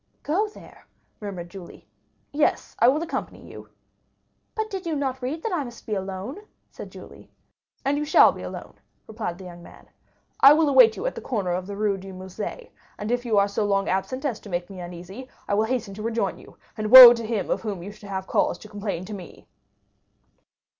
"Go there?" murmured Julie. "Yes; I will accompany you." "But did you not read that I must be alone?" said Julie. "And you shall be alone," replied the young man. "I will await you at the corner of the Rue du Musée, and if you are so long absent as to make me uneasy, I will hasten to rejoin you, and woe to him of whom you shall have cause to complain to me!"